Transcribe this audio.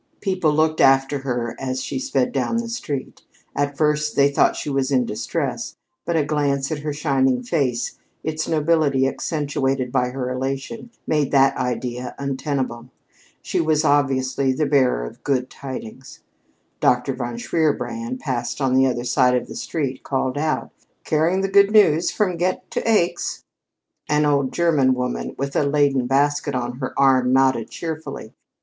People looked after her as she sped down the street. At first they thought she was in distress, but a glance at her shining face, its nobility accentuated by her elation, made that idea untenable. She was obviously the bearer of good tidings. Dr. von Shierbrand, passing on the other side of the street, called out: "Carrying the good news from Ghent to Aix?" An old German woman, with a laden basket on her arm nodded cheerfully.